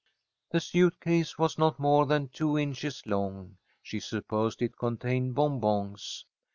The suit case was not more than two inches long. She supposed it contained bonbons.